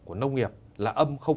của nông nghiệp là một